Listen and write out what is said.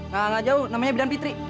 gak jauh namanya bidan fitri